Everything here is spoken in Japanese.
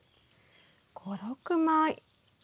５６枚。